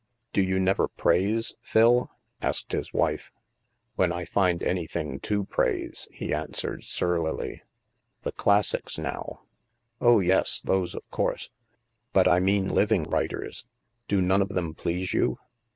" Do you never praise, Phil? " asked his wife. " When I find anything to praise," he answered surlily. " The classics, now —"" Oh, yes, those of course. But I mean living writers. Do none of them please you